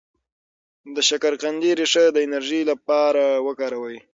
د شکرقندي ریښه د انرژی لپاره وکاروئ